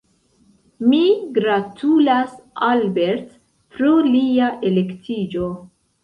Mi gratulas Albert pro lia elektiĝo.